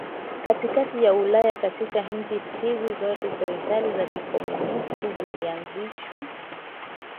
katikati ya Ulaya Katika nchi hizo zote serikali za kikomunisti zilianzishwa